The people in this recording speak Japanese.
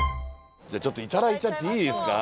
ちょっといただいちゃっていいですか。